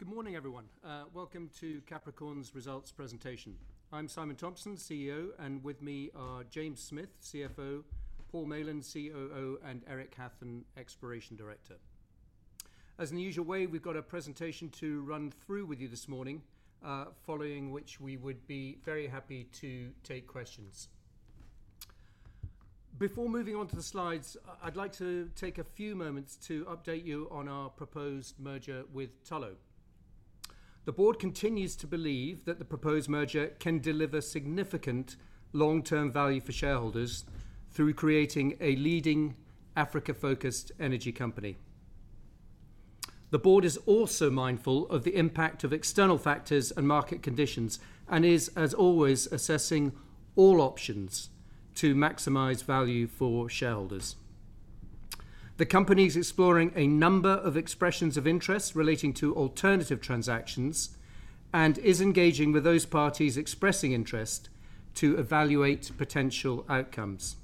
Good morning, everyone. Welcome to Capricorn's Results Presentation. I'm Simon Thomson, CEO, and with me are James Smith, CFO, Paul Mayland, COO, and Eric Hathon, Exploration Director. As in the usual way, we've got a presentation to run through with you this morning, following which we would be very happy to take questions. Before moving on to the slides, I'd like to take a few moments to update you on our proposed merger with Tullow. The board continues to believe that the proposed merger can deliver significant long-term value for shareholders through creating a leading Africa-focused energy company. The board is also mindful of the impact of external factors and market conditions and is, as always, assessing all options to maximize value for shareholders. The company is exploring a number of expressions of interest relating to alternative transactions and is engaging with those parties expressing interest to evaluate potential outcomes.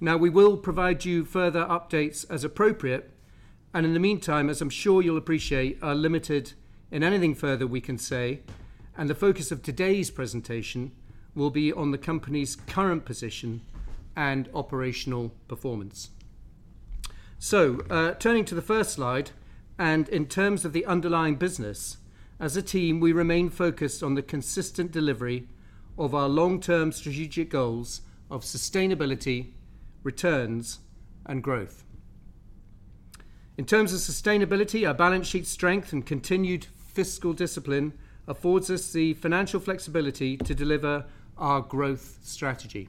Now, we will provide you further updates as appropriate, and in the meantime, as I'm sure you'll appreciate, are limited in anything further we can say, and the focus of today's presentation will be on the company's current position and operational performance. Turning to the first slide, and in terms of the underlying business, as a team, we remain focused on the consistent delivery of our long-term strategic goals of sustainability, returns, and growth. In terms of sustainability, our balance sheet strength and continued fiscal discipline affords us the financial flexibility to deliver our growth strategy.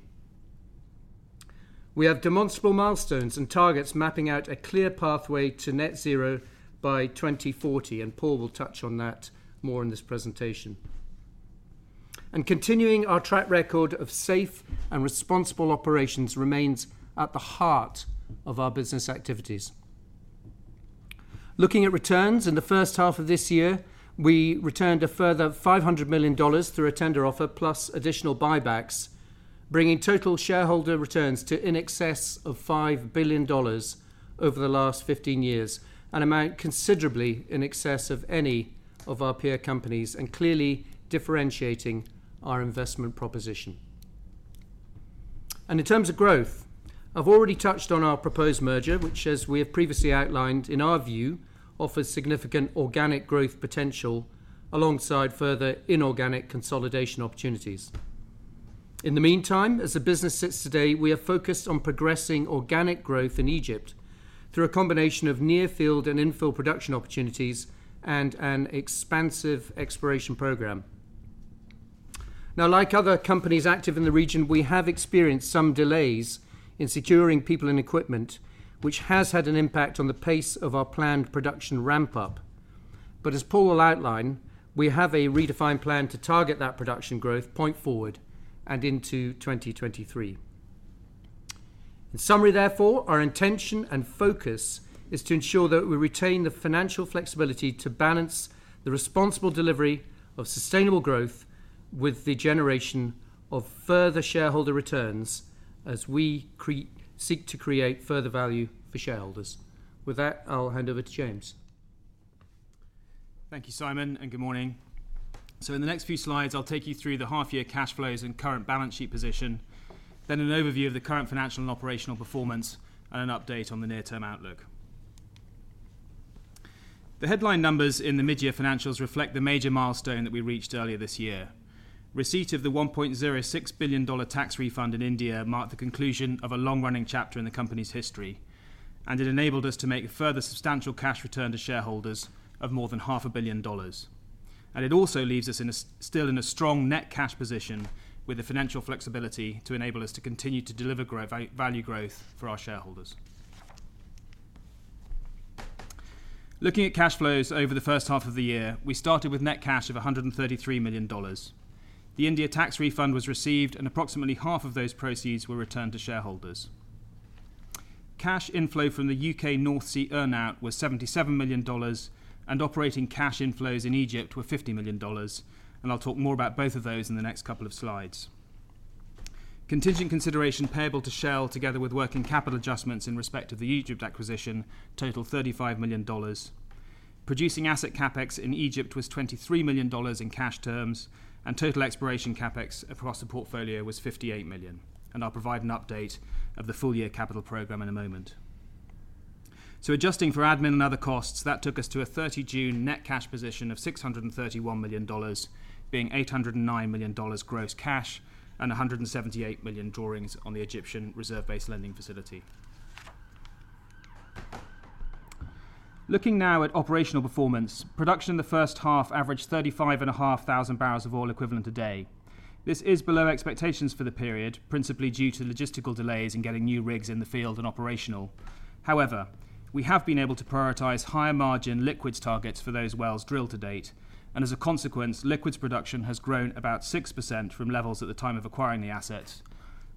We have demonstrable milestones and targets mapping out a clear pathway to net zero by 2040, and Paul will touch on that more in this presentation. Continuing our track record of safe and responsible operations remains at the heart of our business activities. Looking at returns, in the first half of this year, we returned a further $500 million through a tender offer plus additional buybacks, bringing total shareholder returns to in excess of $5 billion over the last 15 years, an amount considerably in excess of any of our peer companies and clearly differentiating our investment proposition. In terms of growth, I've already touched on our proposed merger, which as we have previously outlined, in our view, offers significant organic growth potential alongside further inorganic consolidation opportunities. In the meantime, as the business sits today, we are focused on progressing organic growth in Egypt through a combination of near field and infill production opportunities and an expansive exploration program. Now, like other companies active in the region, we have experienced some delays in securing people and equipment, which has had an impact on the pace of our planned production ramp up. As Paul will outline, we have a redefined plan to target that production growth point forward and into 2023. In summary, therefore, our intention and focus is to ensure that we retain the financial flexibility to balance the responsible delivery of sustainable growth with the generation of further shareholder returns as we seek to create further value for shareholders. With that, I'll hand over to James. Thank you, Simon, and good morning. In the next few slides, I'll take you through the half year cash flows and current balance sheet position, then an overview of the current financial and operational performance and an update on the near-term outlook. The headline numbers in the mid-year financials reflect the major milestone that we reached earlier this year. Receipt of the $1.06 billion tax refund in India marked the conclusion of a long-running chapter in the company's history, and it enabled us to make a further substantial cash return to shareholders of more than half a billion dollars. It also leaves us still in a strong net cash position with the financial flexibility to enable us to continue to deliver value growth for our shareholders. Looking at cash flows over the first half of the year, we started with net cash of $133 million. The India tax refund was received and approximately half of those proceeds were returned to shareholders. Cash inflow from the U.K. North Sea earn out was $77 million, and operating cash inflows in Egypt were $50 million. I'll talk more about both of those in the next couple of slides. Contingent consideration payable to Shell together with working capital adjustments in respect of the Egypt acquisition totaled $35 million. Producing asset CapEx in Egypt was $23 million in cash terms, and total exploration CapEx across the portfolio was $58 million. I'll provide an update of the full-year capital program in a moment. Adjusting for admin and other costs, that took us to a 30 June net cash position of $631 million, being $809 million gross cash and $178 million drawings on the Egyptian Reserve-Based Lending Facility. Looking now at operational performance. Production in the first half averaged 35.5 thousand barrels of oil equivalent a day. This is below expectations for the period, principally due to logistical delays in getting new rigs in the field and operational. However, we have been able to prioritize higher margin liquids targets for those wells drilled to date, and as a consequence, liquids production has grown about 6% from levels at the time of acquiring the asset.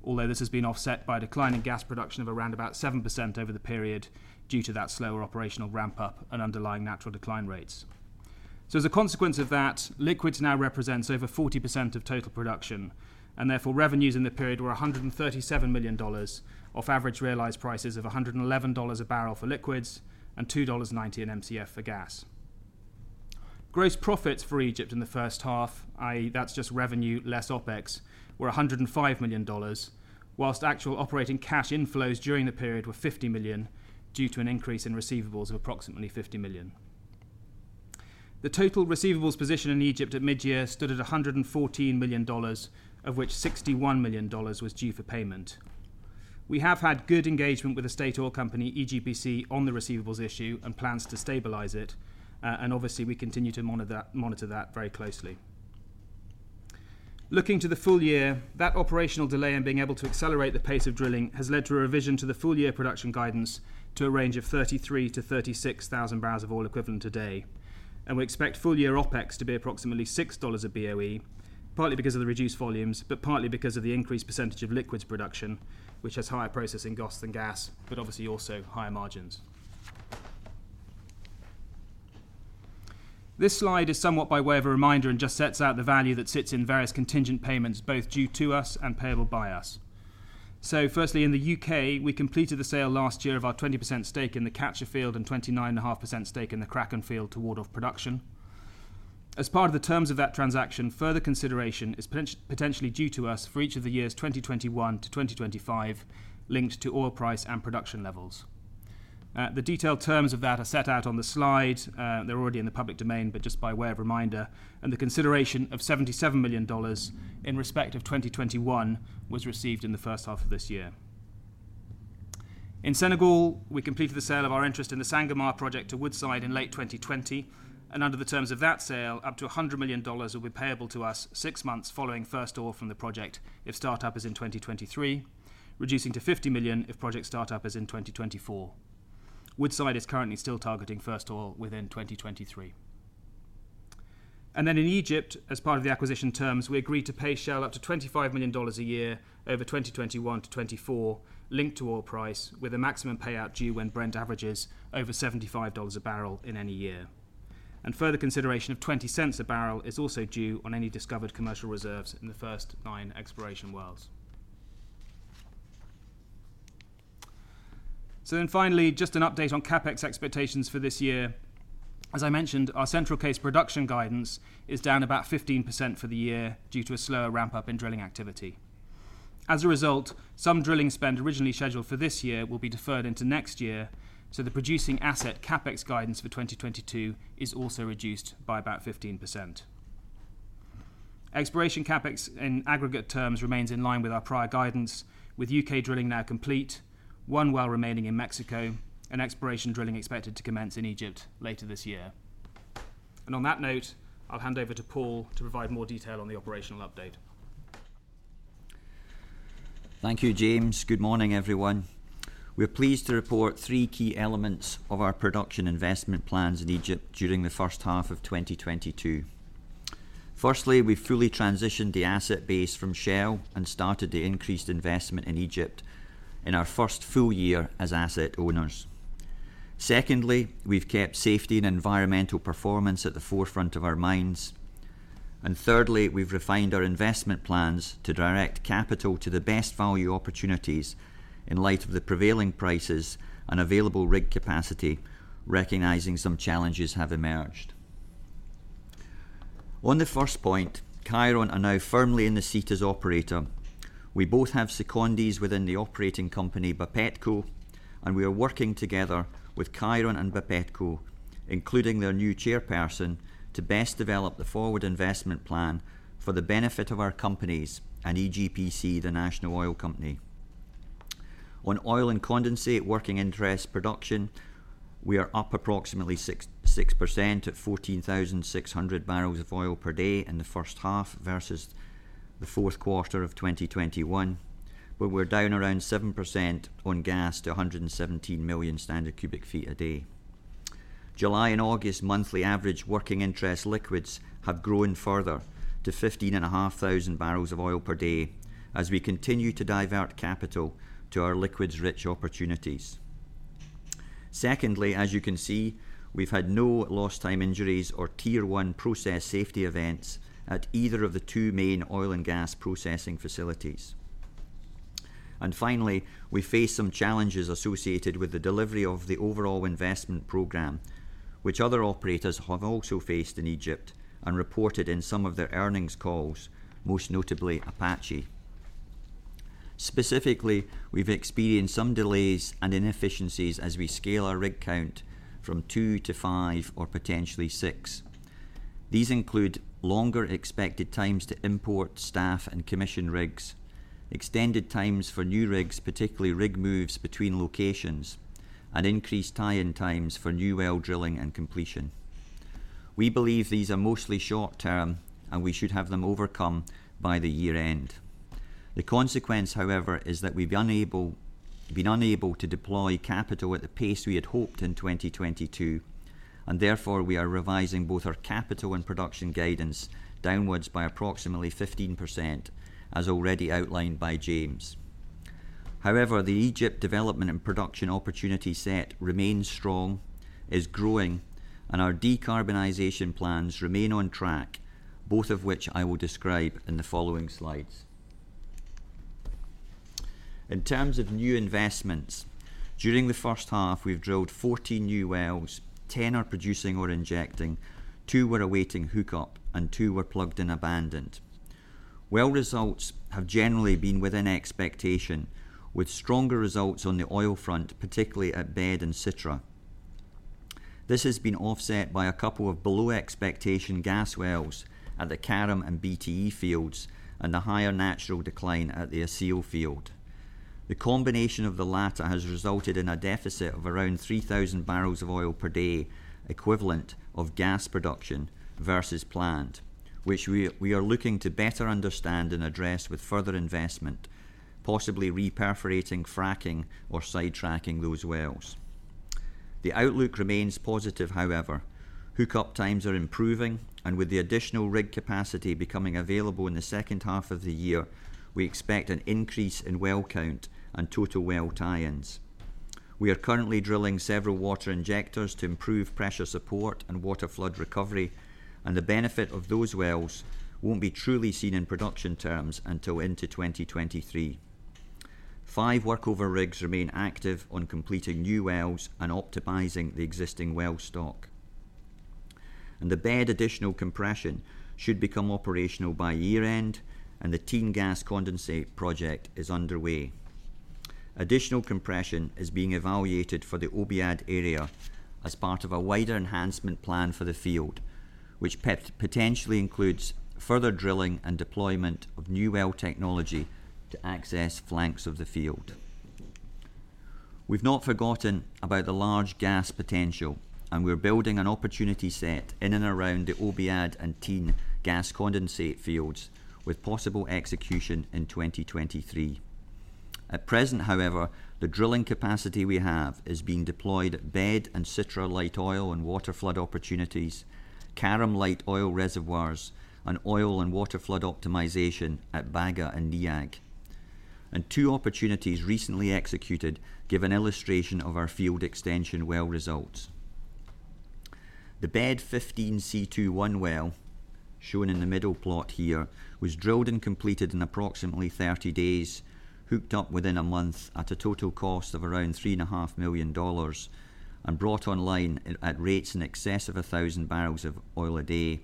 Although this has been offset by a decline in gas production of around about 7% over the period due to that slower operational ramp up and underlying natural decline rates. As a consequence of that, liquids now represents over 40% of total production, and therefore revenues in the period were $137 million off average realized prices of $111/barrel for liquids and $2.90/Mcf for gas. Gross profits for Egypt in the first half, i.e., that's just revenue less OpEx, were $105 million, while actual operating cash inflows during the period were $50 million due to an increase in receivables of approximately $50 million. The total receivables position in Egypt at mid-year stood at $114 million, of which $61 million was due for payment. We have had good engagement with the state oil company, EGPC, on the receivables issue and plans to stabilize it, and obviously we continue to monitor that very closely. Looking to the full year, that operational delay in being able to accelerate the pace of drilling has led to a revision to the full year production guidance to a range of 33-36 thousand barrels of oil equivalent a day. We expect full year OpEx to be approximately $6 a BOE, partly because of the reduced volumes, but partly because of the increased percentage of liquids production, which has higher processing costs than gas, but obviously also higher margins. This slide is somewhat by way of a reminder and just sets out the value that sits in various contingent payments, both due to us and payable by us. Firstly, in the UK, we completed the sale last year of our 20% stake in the Catcher field and 29.5% stake in the Kraken field to Waldorf Production. As part of the terms of that transaction, further consideration is potentially due to us for each of the years 2021 to 2025 linked to oil price and production levels. The detailed terms of that are set out on the slide. They're already in the public domain, but just by way of reminder. The consideration of $77 million in respect of 2021 was received in the first half of this year. In Senegal, we completed the sale of our interest in the Sangomar project to Woodside in late 2020. Under the terms of that sale, up to $100 million will be payable to us six months following first oil from the project if startup is in 2023, reducing to $50 million if project startup is in 2024. Woodside is currently still targeting first oil within 2023. In Egypt, as part of the acquisition terms, we agreed to pay Shell up to $25 million a year over 2021 to 2024 linked to oil price, with a maximum payout due when Brent averages over $75 a barrel in any year. Further consideration of $0.20 a barrel is also due on any discovered commercial reserves in the first 9 exploration wells. Finally, just an update on CapEx expectations for this year. As I mentioned, our central case production guidance is down about 15% for the year due to a slower ramp-up in drilling activity. As a result, some drilling spend originally scheduled for this year will be deferred into next year, so the producing asset CapEx guidance for 2022 is also reduced by about 15%. Exploration CapEx in aggregate terms remains in line with our prior guidance, with UK drilling now complete, one well remaining in Mexico, and exploration drilling expected to commence in Egypt later this year. On that note, I'll hand over to Paul to provide more detail on the operational update. Thank you, James. Good morning, everyone. We're pleased to report three key elements of our production investment plans in Egypt during the first half of 2022. Firstly, we've fully transitioned the asset base from Shell and started the increased investment in Egypt in our first full year as asset owners. Secondly, we've kept safety and environmental performance at the forefront of our minds. Thirdly, we've refined our investment plans to direct capital to the best value opportunities in light of the prevailing prices and available rig capacity, recognizing some challenges have emerged. On the first point, Cheiron are now firmly in the seat as operator. We both have secondees within the operating company, BAPETCo, and we are working together with Cheiron and BAPETCo, including their new chairperson, to best develop the forward investment plan for the benefit of our companies and EGPC, the national oil company. On oil and condensate working interest production, we are up approximately 6% at 14,600 barrels of oil per day in the first half versus the Q4 of 2021, but we're down around 7% on gas to 117 million standard cubic feet a day. July and August monthly average working interest liquids have grown further to 15,500 barrels of oil per day as we continue to divert capital to our liquids-rich opportunities. Secondly, as you can see, we've had no lost time injuries or tier one process safety events at either of the two main oil and gas processing facilities. Finally, we face some challenges associated with the delivery of the overall investment program, which other operators have also faced in Egypt and reported in some of their earnings calls, most notably Apache. Specifically, we've experienced some delays and inefficiencies as we scale our rig count from two to five or potentially six. These include longer expected times to import staff and commission rigs, extended times for new rigs, particularly rig moves between locations, and increased tie-in times for new well drilling and completion. We believe these are mostly short term, and we should have them overcome by the year-end. The consequence, however, is that we've been unable to deploy capital at the pace we had hoped in 2022, and therefore we are revising both our capital and production guidance downwards by approximately 15%, as already outlined by James. However, the Egypt development and production opportunity set remains strong, is growing, and our decarbonization plans remain on track, both of which I will describe in the following slides. In terms of new investments, during the first half, we've drilled 14 new wells, 10 are producing or injecting, two were awaiting hookup, and two were plugged and abandoned. Well results have generally been within expectation, with stronger results on the oil front, particularly at BED and Sitra. This has been offset by a couple of below-expectation gas wells at the Karam and BTE fields and a higher natural decline at the Asil field. The combination of the latter has resulted in a deficit of around 3,000 barrels of oil per day equivalent of gas production versus planned, which we are looking to better understand and address with further investment, possibly re-perforating, fracking, or sidetracking those wells. The outlook remains positive, however. Hookup times are improving, and with the additional rig capacity becoming available in the second half of the year, we expect an increase in well count and total well tie-ins. We are currently drilling several water injectors to improve pressure support and water flood recovery, and the benefit of those wells won't be truly seen in production terms until into 2023. 5 workover rigs remain active on completing new wells and optimizing the existing well stock. The BED additional compression should become operational by year-end, and the Tin gas condensate project is underway. Additional compression is being evaluated for the Obaiyed area as part of a wider enhancement plan for the field, which potentially includes further drilling and deployment of new well technology to access flanks of the field. We've not forgotten about the large gas potential, and we're building an opportunity set in and around the Obaiyed and Tin gas condensate fields with possible execution in 2023. At present, however, the drilling capacity we have is being deployed at BED and Sitra light oil and water flood opportunities, Karam light oil reservoirs, and oil and water flood optimization at Bahga and NEAG. Two opportunities recently executed give an illustration of our field extension well results. The BED 15C2-1 well, shown in the middle plot here, was drilled and completed in approximately 30 days, hooked up within a month at a total cost of around $3.5 million and brought online at rates in excess of 1,000 barrels of oil a day,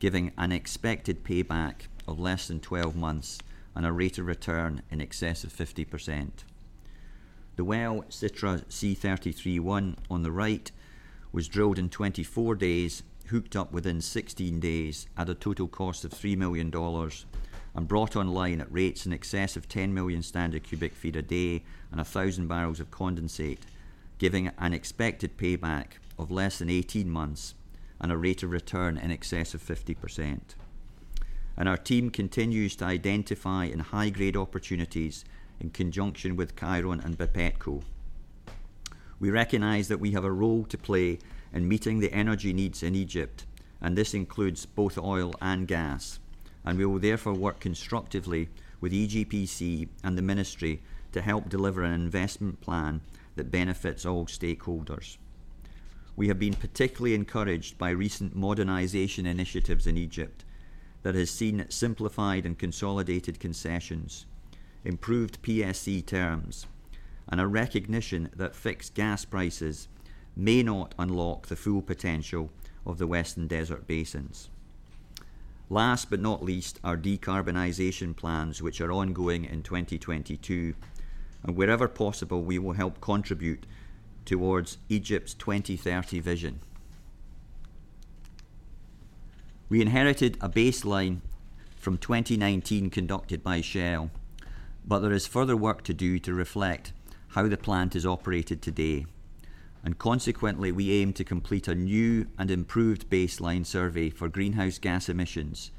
giving an expected payback of less than 12 months and a rate of return in excess of 50%. The well Sitra C-331 on the right was drilled in 24 days, hooked up within 16 days at a total cost of $3 million and brought online at rates in excess of 10 million standard cu ft a day and 1,000 barrels of condensate, giving an expected payback of less than 18 months and a rate of return in excess of 50%. Our team continues to identify high-grade opportunities in conjunction with Cheiron and BAPETCo. We recognize that we have a role to play in meeting the energy needs in Egypt, and this includes both oil and gas. We will therefore work constructively with EGPC and the ministry to help deliver an investment plan that benefits all stakeholders. We have been particularly encouraged by recent modernization initiatives in Egypt that has seen simplified and consolidated concessions, improved PSC terms, and a recognition that fixed gas prices may not unlock the full potential of the Western Desert basins. Last but not least, our decarbonization plans, which are ongoing in 2022, and wherever possible, we will help contribute towards Egypt's 2030 Vision. We inherited a baseline from 2019 conducted by Shell, but there is further work to do to reflect how the plant is operated today. Consequently, we aim to complete a new and improved baseline survey for greenhouse gas emissions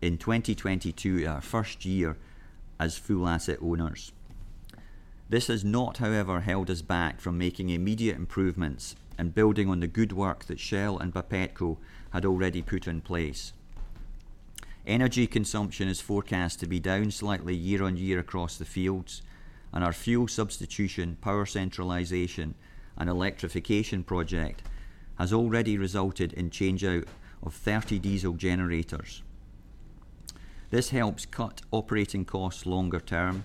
in 2022, our first year as full asset owners. This has not, however, held us back from making immediate improvements and building on the good work that Shell and BAPETCo had already put in place. Energy consumption is forecast to be down slightly year on year across the fields, and our fuel substitution, power centralization, and electrification project has already resulted in change-out of 30 diesel generators. This helps cut operating costs longer term,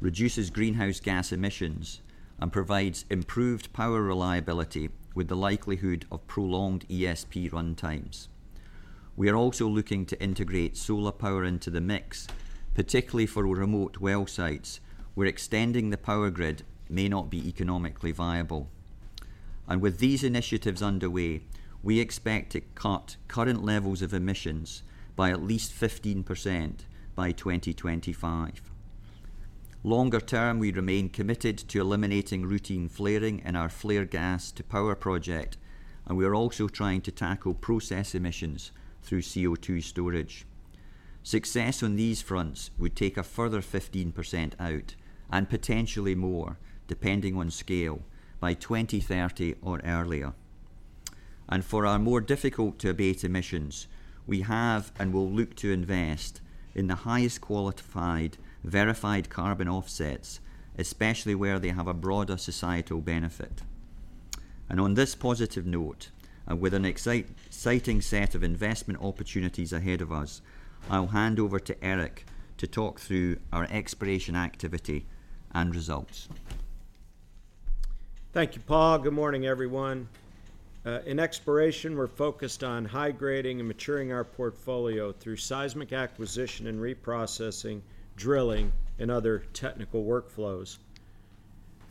reduces greenhouse gas emissions, and provides improved power reliability with the likelihood of prolonged ESP run times. We are also looking to integrate solar power into the mix, particularly for remote well sites, where extending the power grid may not be economically viable. With these initiatives underway, we expect to cut current levels of emissions by at least 15% by 2025. Longer term, we remain committed to eliminating routine flaring in our flare gas to power project, and we are also trying to tackle process emissions through CO2 storage. Success on these fronts would take a further 15% out, and potentially more, depending on scale, by 2030 or earlier. For our more difficult to abate emissions, we have and will look to invest in the highest qualified verified carbon offsets, especially where they have a broader societal benefit. On this positive note, and with an exciting set of investment opportunities ahead of us, I'll hand over to Eric to talk through our exploration activity and results. Thank you, Paul. Good morning, everyone. In exploration, we're focused on high grading and maturing our portfolio through seismic acquisition and reprocessing, drilling, and other technical workflows.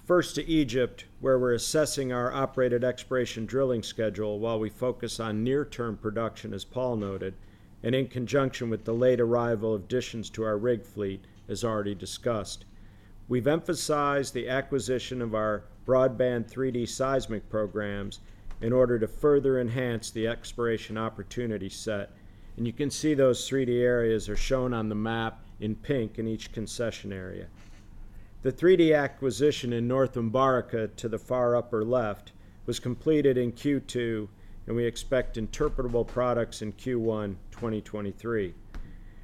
First to Egypt, where we're assessing our operated exploration drilling schedule while we focus on near-term production, as Paul noted, and in conjunction with the late arrival of additions to our rig fleet as already discussed. We've emphasized the acquisition of our broadband 3D seismic programs in order to further enhance the exploration opportunity set. You can see those 3D areas are shown on the map in pink in each concession area. The 3D acquisition in North Um Baraka to the far upper left was completed in Q2, and we expect interpretable products in Q1 2023.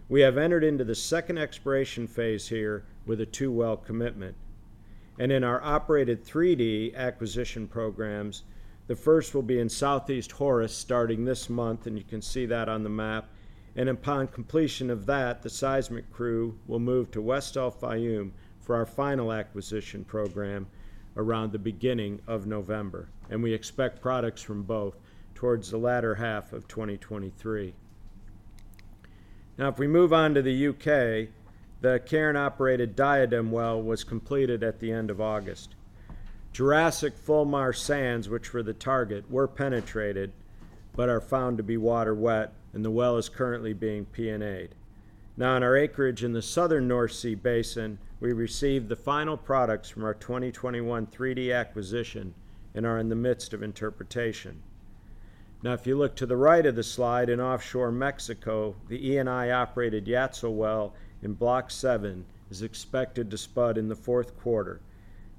We have entered into the second exploration phase here with a two-well commitment. In our operated 3D acquisition programs, the first will be in Southeast Horus starting this month, and you can see that on the map. Upon completion of that, the seismic crew will move to West Al-Fayoum for our final acquisition program around the beginning of November. We expect products from both towards the latter half of 2023. Now if we move on to the UK, the Cairn-operated Diadem well was completed at the end of August. Jurassic Fulmar sands, which were the target, were penetrated but are found to be water wet, and the well is currently being P&A'd. Now in our acreage in the southern North Sea basin, we received the final products from our 2021 3D acquisition and are in the midst of interpretation. Now if you look to the right of the slide in offshore Mexico, the Eni-operated Yatzil well in Block seven is expected to spud in the Q4.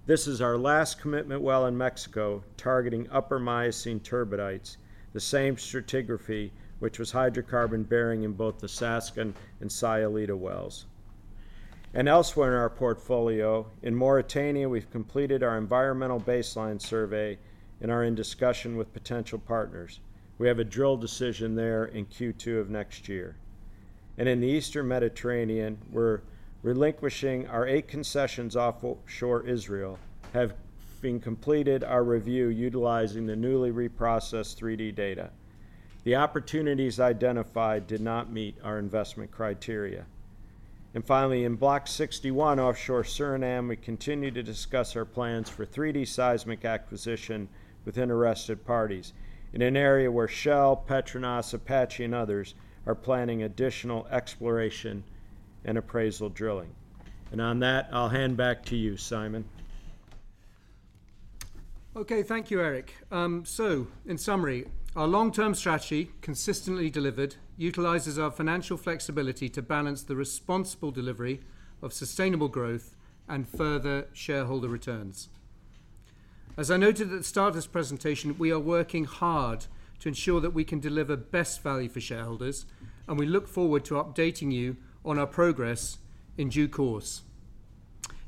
This is our last commitment well in Mexico, targeting upper Miocene turbidites, the same stratigraphy which was hydrocarbon-bearing in both the Saasken and Sayulita wells. Elsewhere in our portfolio, in Mauritania, we've completed our environmental baseline survey and are in discussion with potential partners. We have a drill decision there in Q2 of next year. In the Eastern Mediterranean, we're relinquishing our eight concessions offshore Israel and have completed our review utilizing the newly reprocessed 3D data. The opportunities identified did not meet our investment criteria. Finally, in Block 61 offshore Suriname, we continue to discuss our plans for 3D seismic acquisition with interested parties in an area where Shell, PETRONAS, Apache, and others are planning additional exploration and appraisal drilling. On that, I'll hand back to you, Simon. Okay, thank you, Eric. So in summary, our long-term strategy consistently delivered utilizes our financial flexibility to balance the responsible delivery of sustainable growth and further shareholder returns. As I noted at the start of this presentation, we are working hard to ensure that we can deliver best value for shareholders, and we look forward to updating you on our progress in due course.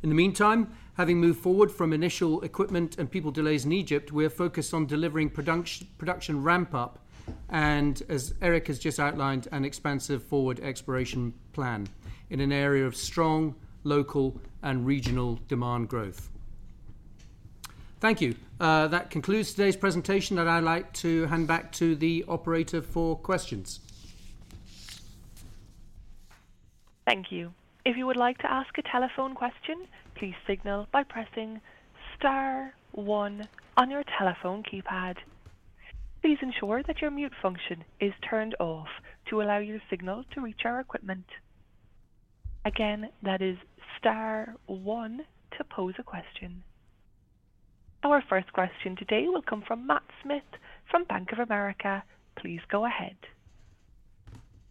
In the meantime, having moved forward from initial equipment and people delays in Egypt, we are focused on delivering production ramp up and, as Eric has just outlined, an expansive forward exploration plan in an area of strong local and regional demand growth. Thank you. That concludes today's presentation, and I'd like to hand back to the operator for questions. Thank you. If you would like to ask a telephone question, please signal by pressing star one on your telephone keypad. Please ensure that your mute function is turned off to allow your signal to reach our equipment. Again, that is star one to pose a question. Our first question today will come from Matt Smith from Bank of America. Please go ahead.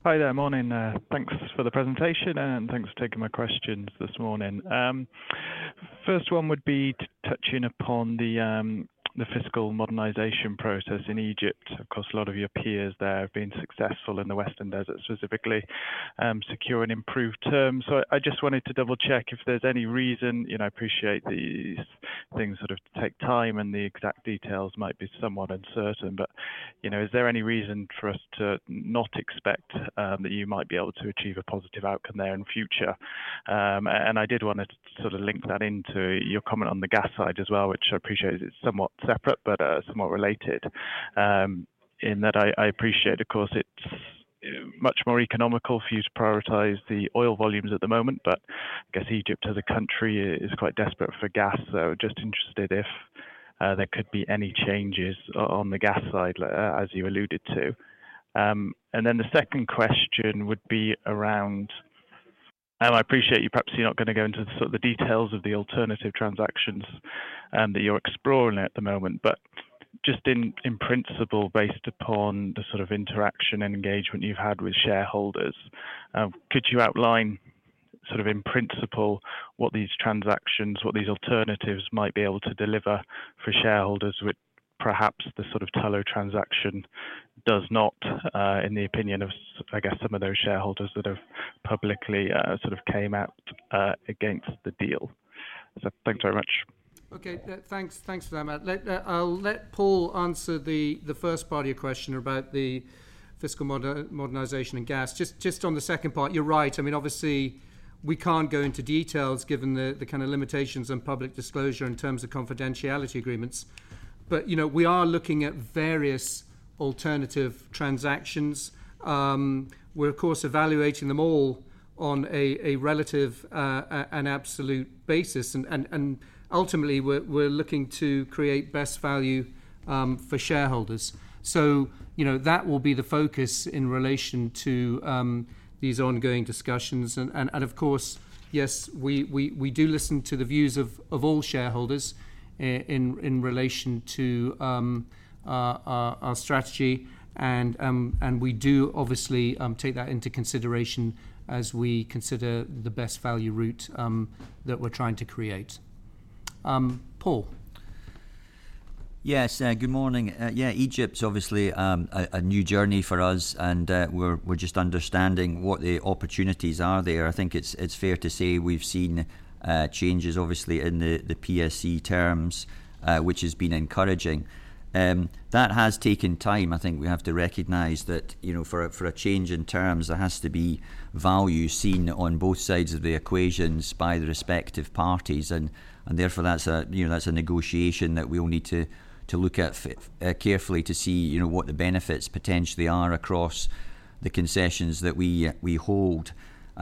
Hi there. Morning. Thanks for the presentation, and thanks for taking my questions this morning. First one would be touching upon the fiscal modernization process in Egypt. Of course, a lot of your peers there have been successful in the Western Desert, specifically, secure and improved terms. I just wanted to double-check if there's any reason, you know, I appreciate these things sort of take time, and the exact details might be somewhat uncertain, but, you know, is there any reason for us to not expect that you might be able to achieve a positive outcome there in future? I did wanna sort of link that into your comment on the gas side as well, which I appreciate is somewhat separate but somewhat related, in that I appreciate, of course, it's much more economical for you to prioritize the oil volumes at the moment, but I guess Egypt as a country is quite desperate for gas. So just interested if there could be any changes on the gas side as you alluded to. Then the second question would be around. I appreciate you perhaps you're not gonna go into the sort of the details of the alternative transactions that you're exploring at the moment, but just in principle, based upon the sort of interaction and engagement you've had with shareholders, could you outline Sort of in principle, what these transactions, what these alternatives might be able to deliver for shareholders, which perhaps the sort of Tullow transaction does not, in the opinion of I guess some of those shareholders that have publicly sort of came out against the deal. Thanks very much. Okay. Thanks for that, Matt. I'll let Paul answer the first part of your question about the fiscal modernization and gas. Just on the second part, you're right. I mean, obviously we can't go into details given the kinda limitations on public disclosure in terms of confidentiality agreements. You know, we are looking at various alternative transactions. We're of course evaluating them all on a relative and an absolute basis and ultimately we're looking to create best value for shareholders. You know, that will be the focus in relation to these ongoing discussions and of course, yes, we do listen to the views of all shareholders in relation to our strategy and we do obviously take that into consideration as we consider the best value route that we're trying to create. Paul. Yes, good morning. Yeah, Egypt's obviously a new journey for us and we're just understanding what the opportunities are there. I think it's fair to say we've seen changes obviously in the PSC terms, which has been encouraging. That has taken time. I think we have to recognize that, you know, for a change in terms, there has to be value seen on both sides of the equations by the respective parties. Therefore that's a negotiation that we all need to look at carefully to see, you know, what the benefits potentially are across the concessions that we hold.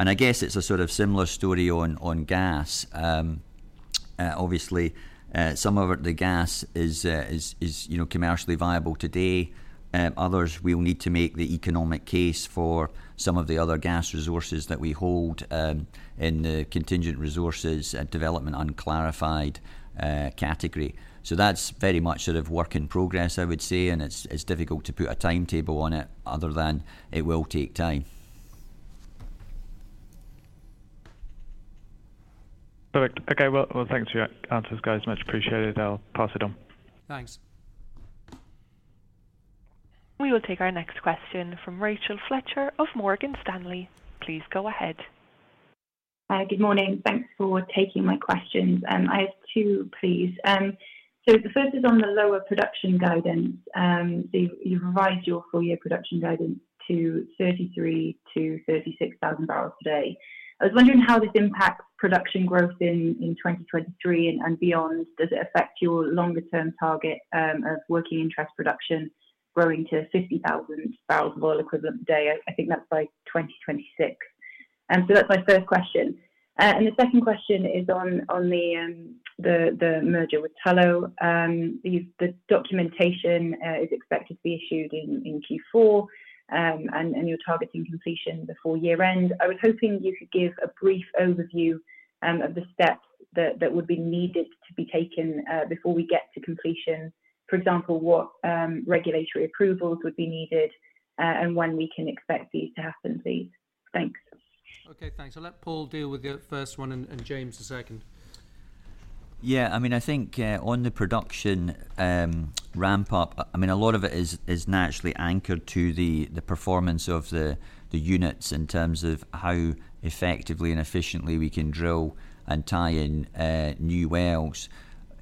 I guess it's a sort of similar story on gas. Obviously, some of the gas is, you know, commercially viable today. Others we will need to make the economic case for some of the other gas resources that we hold in the contingent resources development unclarified category. That's very much sort of work in progress, I would say. It's difficult to put a timetable on it other than it will take time. Perfect. Okay. Well, thanks for your answers, guys. Much appreciated. I'll pass it on. Thanks. We will take our next question from Rachel Fletcher of Morgan Stanley. Please go ahead. Good morning. Thanks for taking my questions. I have two, please. The first is on the lower production guidance. You revised your full year production guidance to 33-36 thousand barrels a day. I was wondering how this impacts production growth in 2023 and beyond. Does it affect your longer term target of working interest production growing to 50 thousand barrels of oil equivalent a day? I think that's by 2026. That's my first question. The second question is on the merger with Tullow. The documentation is expected to be issued in Q4, and you're targeting completion before year end. I was hoping you could give a brief overview of the steps that would be needed to be taken before we get to completion. For example, what regulatory approvals would be needed and when we can expect these to happen, please. Thanks. Okay, thanks. I'll let Paul deal with the first one and James the second. Yeah, I mean, I think on the production ramp up, I mean a lot of it is naturally anchored to the performance of the units in terms of how effectively and efficiently we can drill and tie in new wells.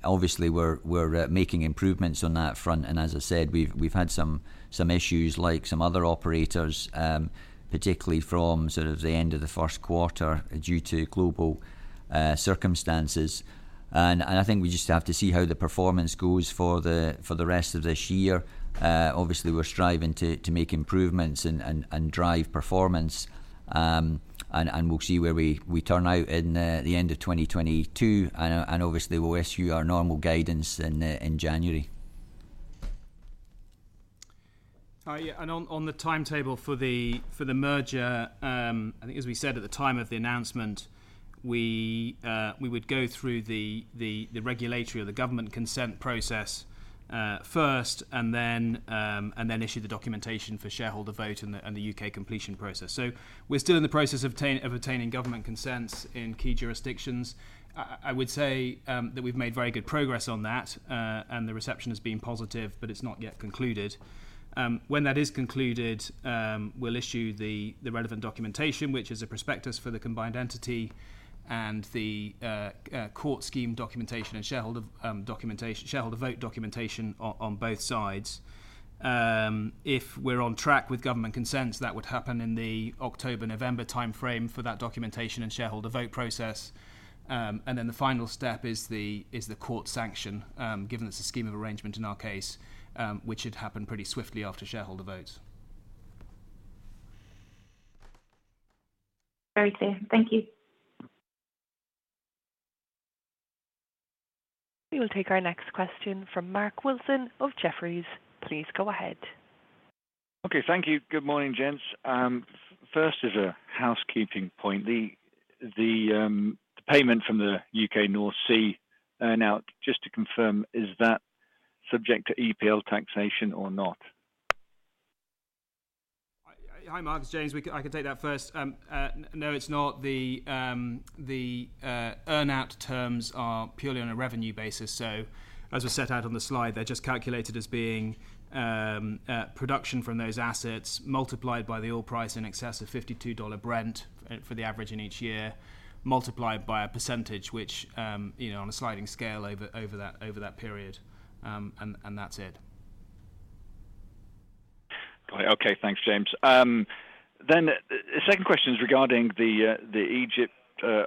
Obviously we're making improvements on that front, and as I said, we've had some issues like some other operators, particularly from sort of the end of the Q1 due to global circumstances. I think we just have to see how the performance goes for the rest of this year. Obviously we're striving to make improvements and drive performance. We'll see where we turn out in the end of 2022 and obviously we'll issue our normal guidance in January. Yeah. On the timetable for the merger, I think as we said at the time of the announcement, we would go through the regulatory or the government consent process first, and then issue the documentation for shareholder vote and the UK completion process. We're still in the process of obtaining government consents in key jurisdictions. I would say that we've made very good progress on that. The reception has been positive, but it's not yet concluded. When that is concluded, we'll issue the relevant documentation, which is a prospectus for the combined entity and the court scheme documentation and shareholder documentation, shareholder vote documentation on both sides. If we're on track with government consents, that would happen in the October, November timeframe for that documentation and shareholder vote process. The final step is the court sanction. Given it's a scheme of arrangement in our case, which should happen pretty swiftly after shareholder votes. Very clear. Thank you. We will take our next question from Mark Wilson of Jefferies. Please go ahead. Okay, thank you. Good morning, gents. First is a housekeeping point. The payment from the U.K. North Sea earn-out, just to confirm, is that subject to EPL taxation or not? Hi, Mark. It's James. I can take that first. No, it's not. The earn-out terms are purely on a revenue basis. As we set out on the slide, they're just calculated as being production from those assets multiplied by the oil price in excess of $52 Brent for the average in each year, multiplied by a percentage, which, you know, on a sliding scale over that period. That's it. Got it. Okay. Thanks, James. The second question is regarding the Egypt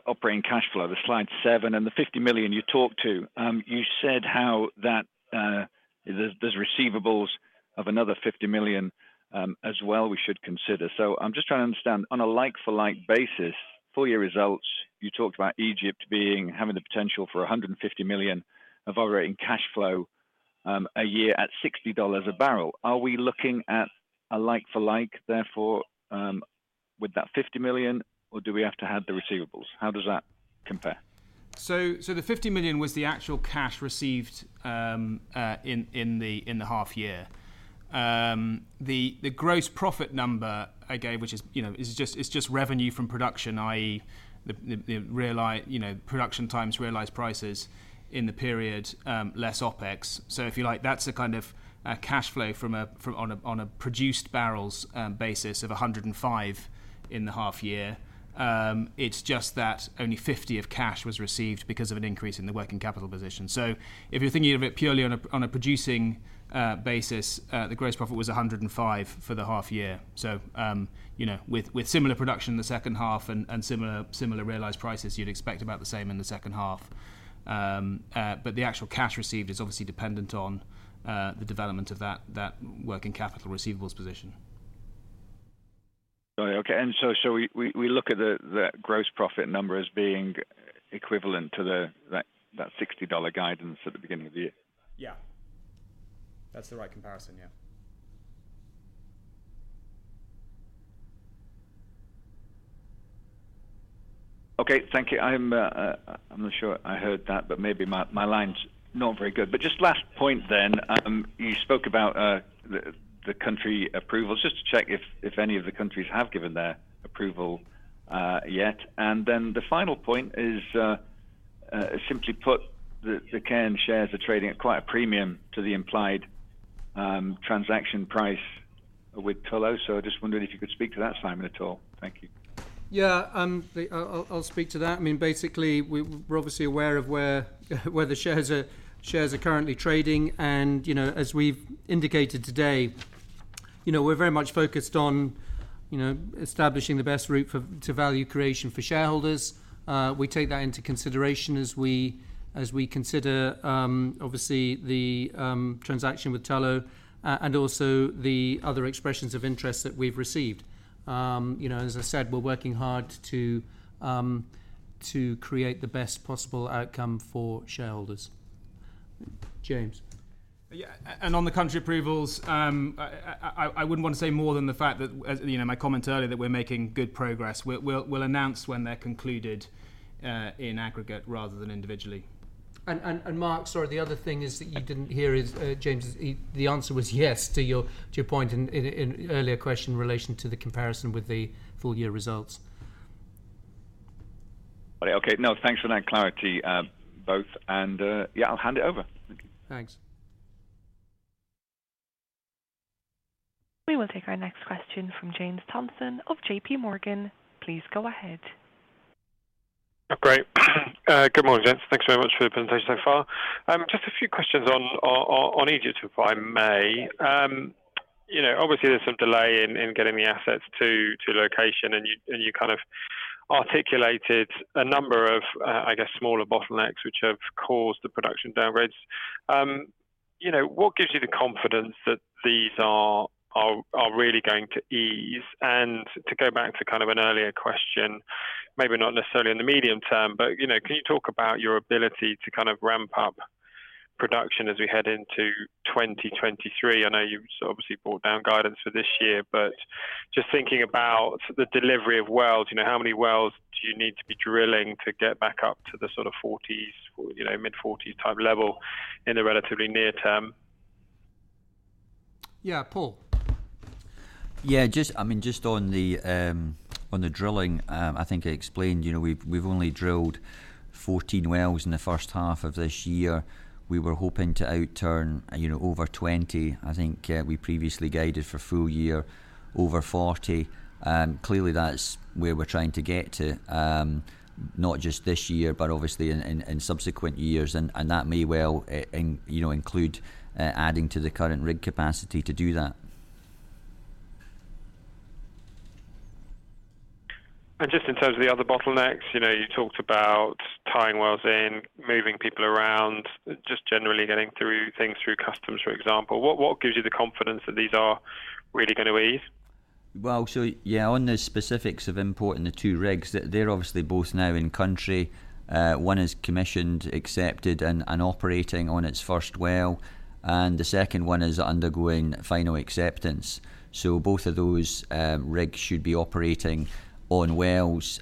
operating cash flow. The slide seven and the $50 million you talked about. You said how that there's receivables of another $50 million as well we should consider. I'm just trying to understand on a like-for-like basis, full-year results, you talked about Egypt having the potential for $150 million of operating cash flow a year at $60 a barrel. Are we looking at a like-for-like therefore with that $50 million, or do we have to add the receivables? How does that compare? The $50 million was the actual cash received in the half year. The gross profit number I gave, which is, you know, just revenue from production, i.e. the realized production times realized prices in the period, less OpEx. If you like, that's the kind of cash flow from on a produced barrels basis of $105 million in the half year. It's just that only $50 million of cash was received because of an increase in the working capital position. If you're thinking of it purely on a producing basis, the gross profit was $105 million for the half year. You know, with similar production in the second half and similar realized prices you'd expect about the same in the second half. The actual cash received is obviously dependent on the development of that working capital receivables position. Got it. Okay. We look at the gross profit number as being equivalent to that $60 guidance at the beginning of the year? Yeah. That's the right comparison. Yeah. Okay. Thank you. I'm not sure I heard that, but maybe my line's not very good. Just last point then. You spoke about the country approvals. Just to check if any of the countries have given their approval yet. The final point is, simply put the Cairn shares are trading at quite a premium to the implied transaction price with Tullow. I'm just wondering if you could speak to that, Simon, at all. Thank you. Yeah. I'll speak to that. I mean, basically we're obviously aware of where the shares are currently trading and, you know, as we've indicated today, you know, we're very much focused on, you know, establishing the best route for to value creation for shareholders. We take that into consideration as we consider obviously the transaction with Tullow and also the other expressions of interest that we've received. You know, as I said, we're working hard to create the best possible outcome for shareholders. James. Yeah. On the country approvals, I wouldn't wanna say more than the fact that, as you know, my comment earlier that we're making good progress. We'll announce when they're concluded in aggregate rather than individually. Mark, sorry, the other thing is that you didn't hear, James, the answer was yes to your point in earlier question in relation to the comparison with the full year results. Okay. No, thanks for that clarity, yeah, I'll hand it over. Thank you. Thanks. We will take our next question from James Thompson of JPMorgan. Please go ahead. Great. Good morning, gents. Thanks very much for the presentation so far. Just a few questions on Egypt, if I may. You know, obviously there's some delay in getting the assets to location, and you kind of articulated a number of, I guess, smaller bottlenecks which have caused the production downgrades. You know, what gives you the confidence that these are really going to ease? To go back to kind of an earlier question, maybe not necessarily in the medium term, but, you know, can you talk about your ability to kind of ramp up production as we head into 2023? I know you've obviously brought down guidance for this year, but just thinking about the delivery of wells, you know, how many wells do you need to be drilling to get back up to the sort of 40s or, you know, mid-40s type level in the relatively near term? Yeah. Paul. Yeah. Just, I mean, just on the drilling. I think I explained, you know, we've only drilled 14 wells in the first half of this year. We were hoping to outturn, you know, over 20. I think we previously guided for full year over 40. Clearly that's where we're trying to get to, not just this year, but obviously in subsequent years. That may well, you know, include adding to the current rig capacity to do that. Just in terms of the other bottlenecks, you know, you talked about tying wells in, moving people around, just generally getting through things through customs, for example. What gives you the confidence that these are really gonna ease? Yeah, on the specifics of importing the two rigs, they're obviously both now in country. One is commissioned, accepted, and operating on its first well, and the second one is undergoing final acceptance. Both of those rigs should be operating on wells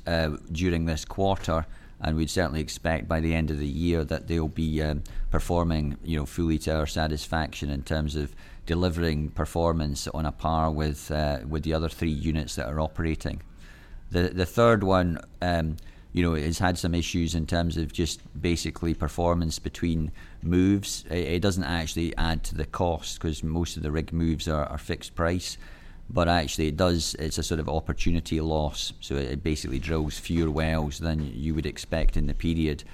during this quarter, and we'd certainly expect by the end of the year that they'll be performing, you know, fully to our satisfaction in terms of delivering performance on a par with the other three units that are operating. The third one, you know, has had some issues in terms of just basically performance between moves. It doesn't actually add to the cost 'cause most of the rig moves are fixed price. Actually it does, it's a sort of opportunity loss, so it basically drills fewer wells than you would expect in the period.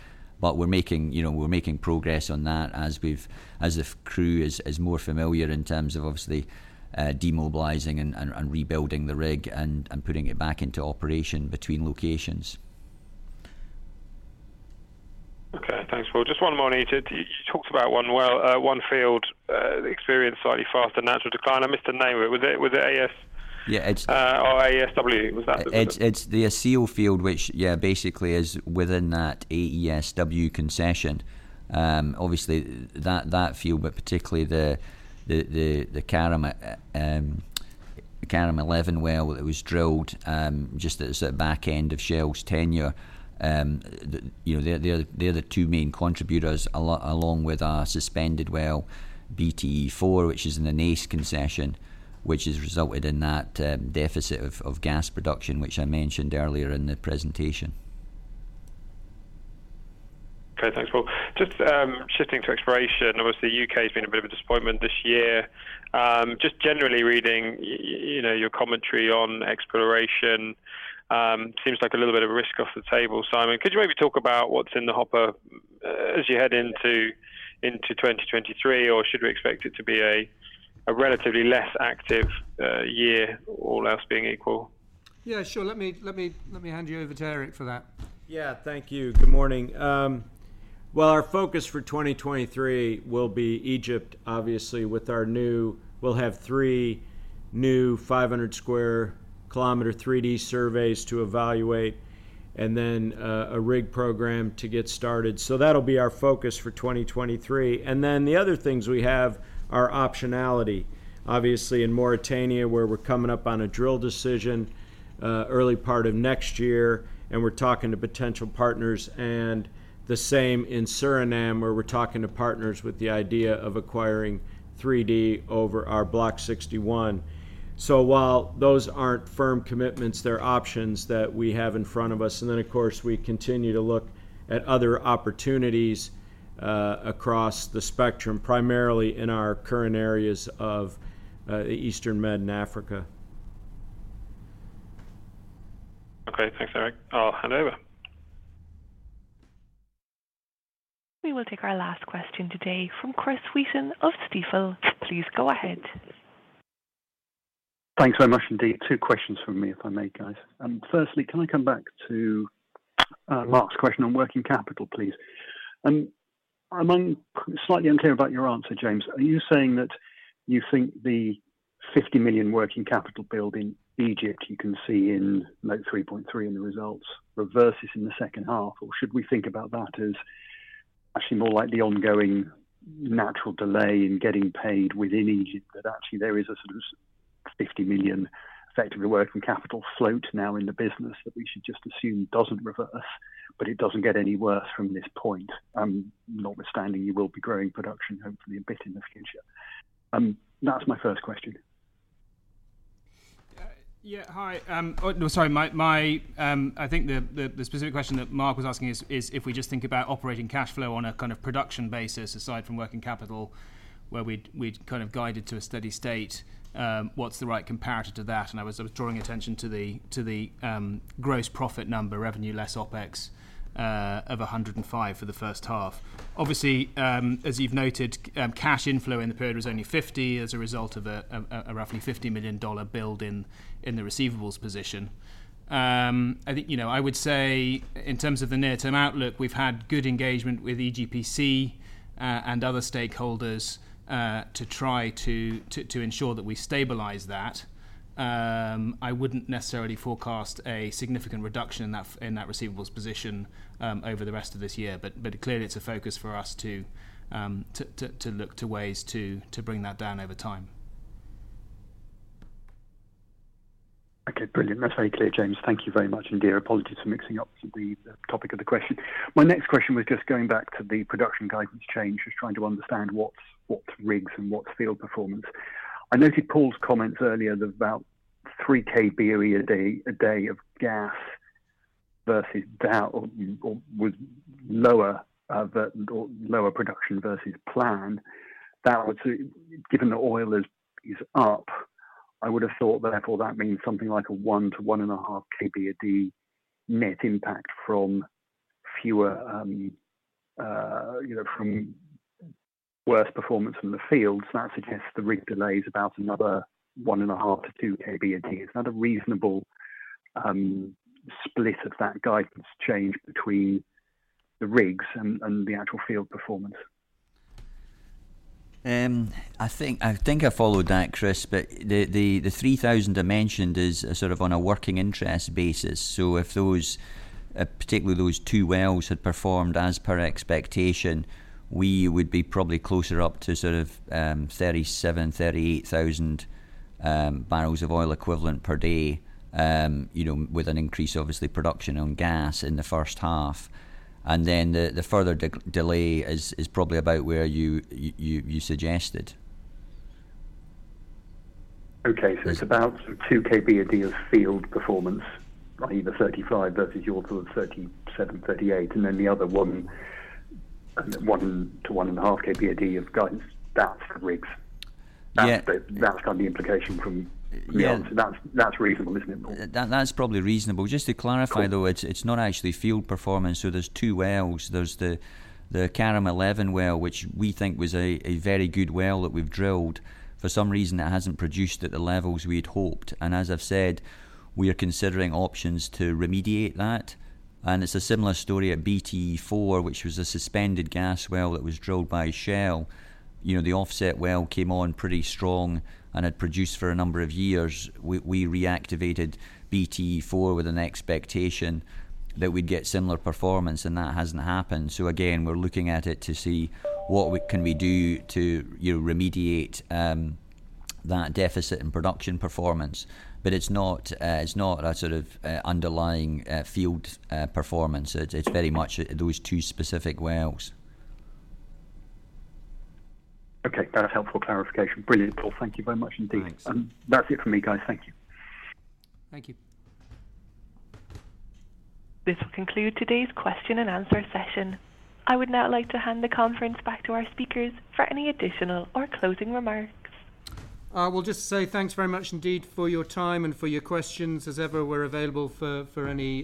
We're making, you know, we're making progress on that as the crew is more familiar in terms of obviously, demobilizing and rebuilding the rig and putting it back into operation between locations. Okay. Thanks, Paul. Just one more on Egypt. You talked about one well, one field, experienced slightly faster natural decline. I missed the name. Was it AF- Yeah. AESW? It's the Bahga field, which, yeah, basically is within that AESW concession. Obviously that field, but particularly the Karam-11 well that was drilled just as a back end of Shell's tenure. You know, they're the two main contributors along with our suspended well, BTE-4, which is in the NEAG concession, which has resulted in that deficit of gas production, which I mentioned earlier in the presentation. Okay. Thanks, Paul. Just shifting to exploration. Obviously, U.K.'s been a bit of a disappointment this year. Just generally reading you know, your commentary on exploration, seems like a little bit of a risk off the table. Simon, could you maybe talk about what's in the hopper as you head into 2023 or should we expect it to be a relatively less active year, all else being equal? Yeah, sure. Let me hand you over to Eric for that. Yeah. Thank you. Good morning. Our focus for 2023 will be Egypt, obviously. We'll have three new 500 square kilometer 3D surveys to evaluate and then a rig program to get started. That'll be our focus for 2023. The other things we have are optionality. Obviously in Mauritania, where we're coming up on a drill decision early part of next year, and we're talking to potential partners. The same in Suriname, where we're talking to partners with the idea of acquiring 3D over our Block 61. While those aren't firm commitments, they're options that we have in front of us. Of course, we continue to look at other opportunities across the spectrum, primarily in our current areas of Eastern Med and Africa. Okay. Thanks, Eric. I'll hand over. We will take our last question today from Chris Wheaton of Stifel. Please go ahead. Thanks so much indeed. Two questions from me, if I may, guys. Firstly, can I come back to Mark's question on working capital, please? I'm slightly unclear about your answer, James. Are you saying that you think the $50 million working capital build in Egypt you can see in note 3.3 in the results reverses in the second half? Or should we think about that as actually more like the ongoing natural delay in getting paid within Egypt? That actually there is a sort of $50 million effectively working capital float now in the business that we should just assume doesn't reverse, but it doesn't get any worse from this point. Notwithstanding you will be growing production hopefully a bit in the future. That's my first question. I think the specific question that Mark was asking is if we just think about operating cash flow on a kind of production basis aside from working capital, where we'd kind of guided to a steady state, what's the right comparator to that? I was sort of drawing attention to the gross profit number, revenue less OpEx, of $105 million for the first half. Obviously, as you've noted, cash inflow in the period was only $50 million as a result of a roughly $50 million build in the receivables position. I think, you know, I would say in terms of the near-term outlook, we've had good engagement with EGPC and other stakeholders to try to ensure that we stabilize that. I wouldn't necessarily forecast a significant reduction in that receivables position over the rest of this year. Clearly it's a focus for us to look to ways to bring that down over time. Okay. Brilliant. That's very clear, James. Thank you very much indeed. Apologies for mixing up the topic of the question. My next question was just going back to the production guidance change. Just trying to understand what rigs and what field performance. I noted Paul's comments earlier of about 3 kboe/d of gas versus lower production versus plan. That would. Given the oil is up, I would have thought therefore that means something like a 1-1.5 kboe/d net impact from fewer, you know, from worse performance from the fields. That suggests the rig delay is about another 1.5-2 kboe/d. Is that a reasonable split of that guidance change between the rigs and the actual field performance? I think I followed that, Chris. The 3,000 I mentioned is sort of on a working interest basis. If those, particularly those two wells had performed as per expectation, we would be probably closer up to sort of 37,000-38,000 barrels of oil equivalent per day. You know, with an increase obviously production on gas in the first half. Then the further delay is probably about where you suggested. Okay. It's about 2 kboe/d of field performance, right? Either 35 versus your sort of 37, 38. Then the other one, 1 to 1.5 kboe/d have gone. That's rigs. Yeah. That's kind of the implication from Yeah. That's reasonable, isn't it, Paul? That's probably reasonable. Just to clarify though. Cool It's not actually field performance. There's two wells. There's the Karam-11 well, which we think was a very good well that we've drilled. For some reason it hasn't produced at the levels we had hoped. As I've said, we are considering options to remediate that. It's a similar story at BTE-4, which was a suspended gas well that was drilled by Shell. You know, the offset well came on pretty strong and had produced for a number of years. We reactivated BTE-4 with an expectation that we'd get similar performance, and that hasn't happened. Again, we're looking at it to see what we can do to, you know, remediate that deficit in production performance. It's not a sort of underlying field performance. It's very much those two specific wells. Okay. That is helpful clarification. Brilliant, Paul. Thank you very much indeed. Thanks. That's it for me, guys. Thank you. Thank you. This will conclude today's question and answer session. I would now like to hand the conference back to our speakers for any additional or closing remarks. We'll just say thanks very much indeed for your time and for your questions. As ever, we're available for any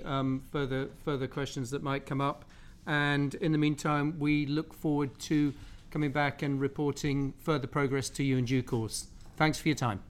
further questions that might come up. In the meantime, we look forward to coming back and reporting further progress to you in due course. Thanks for your time.